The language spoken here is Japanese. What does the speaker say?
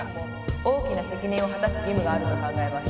「大きな責任を果たす義務があると考えます」